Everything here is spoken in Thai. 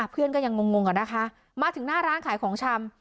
เพื่อนก็ยังงงอะนะคะมาถึงหน้าร้านขายของชำ